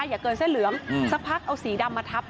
อย่าเกินเส้นเหลืองสักพักเอาสีดำมาทับ